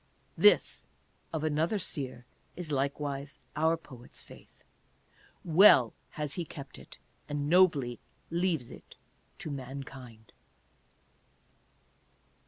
This of another seer is likewise our poet's faith. Well has he kept it, and nobly leaves it to mankind.